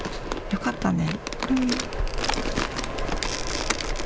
よかったね。